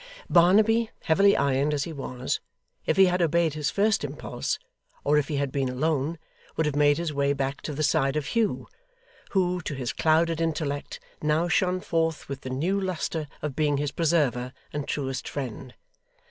Barnaby, heavily ironed as he was, if he had obeyed his first impulse, or if he had been alone, would have made his way back to the side of Hugh, who to his clouded intellect now shone forth with the new lustre of being his preserver and truest friend.